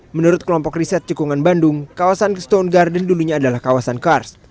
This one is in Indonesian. menurut kelompok riset cekungan bandung kawasan cstone garden dulunya adalah kawasan kars